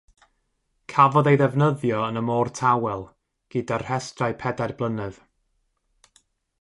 Cafodd ei ddefnyddio yn y Môr Tawel gyda'r rhestrau pedair blynedd.